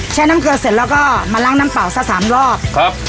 น้ำเกลือเสร็จแล้วก็มาล้างน้ำเป่าสักสามรอบครับ